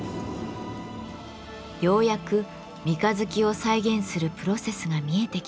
ようやく三日月を再現するプロセスが見えてきました。